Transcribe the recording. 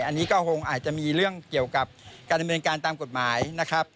อันนี้ก็คงอาจจะมีเรื่องเกี่ยวกับการดำเนินการตามกฎหมายนะครับ